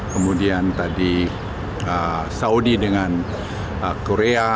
kemudian tadi saudi dengan korea